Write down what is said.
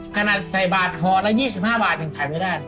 ขนาดใส่บาทห่อละ๒๕บาทยังขายไม่ได้